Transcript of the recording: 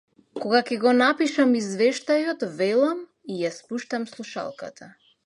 Кога ќе го напишам извештајот, велам и ја спуштам слушалката.